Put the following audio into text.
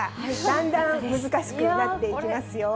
だんだん難しくなっていきますよ。